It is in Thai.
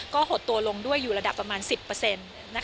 ก็หดตัวลงด้วยอยู่ระดับประมาณ๑๐